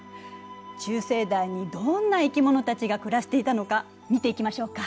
中生代にどんな生き物たちが暮らしていたのか見ていきましょうか。